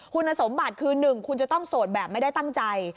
คุณสมบัติคือ๑คุณจะต้องโสดแบบไม่ได้ตั้งใจ